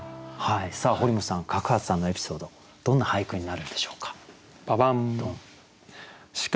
堀本さん角幡さんのエピソードどんな俳句になるんでしょうか？